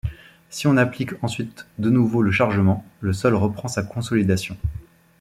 Si on applique ensuite de nouveau le chargement, le sol reprend sa consolidation.